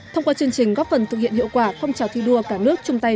thông qua chương trình góp phần thực hiện hiệu quả phong trào thi đua cả nước chung tay